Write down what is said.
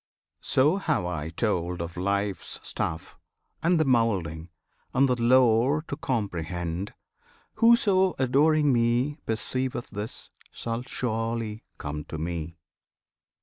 So have I told Of Life's stuff, and the moulding, and the lore To comprehend. Whoso, adoring Me, Perceiveth this, shall surely come to Me!